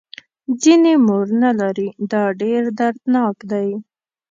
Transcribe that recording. ځینې مور نه لري دا ډېر دردناک دی.